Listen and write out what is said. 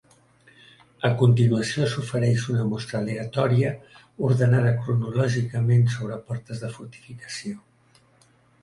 A continuació s'ofereix una mostra aleatòria, ordenada cronològicament, sobre portes de fortificació.